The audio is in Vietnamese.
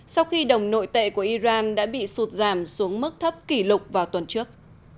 sau khi đồng nội tệ của iran đã bị sụt giảm xuống mức thấp kỷ lục vào tuần trước